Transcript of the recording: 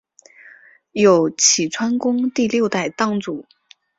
有栖川宫第六代当主。